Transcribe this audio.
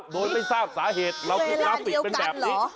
โดยไม่ทราบสาเหตุเราคิดกราฟิกเป็นแบบนี้